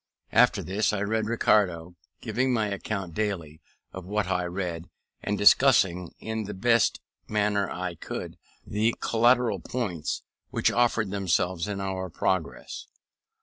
After this I read Ricardo, giving an account daily of what I read, and discussing, in the best manner I could, the collateral points which offered themselves in our progress.